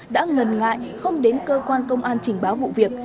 đã ngần ngại không đến cơ quan công an trình báo vụ việc